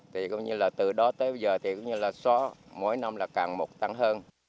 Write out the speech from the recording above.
thì cũng như là từ đó tới bây giờ thì cũng như là mỗi năm là càng một tăng hơn